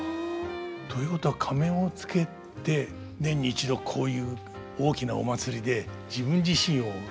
ということは仮面をつけて年に一度こういう大きなお祭りで自分自身を変えるということが。